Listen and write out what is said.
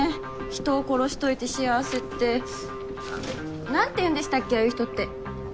人を殺しといて幸せってなんて言うんでしたっけああいう人って。